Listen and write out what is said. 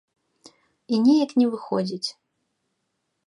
І неяк не выходзіць.